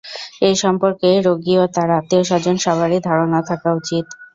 এ সম্পর্কে রোগী ও তার আত্মীয়স্বজন সবারই ধারণা থাকা উচিত।